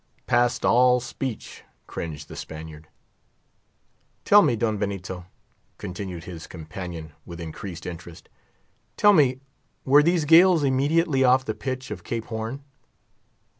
"Past all speech," cringed the Spaniard. "Tell me, Don Benito," continued his companion with increased interest, "tell me, were these gales immediately off the pitch of Cape Horn?"